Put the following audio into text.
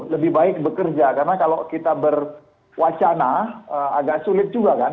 lebih baik bekerja karena kalau kita berwacana agak sulit juga kan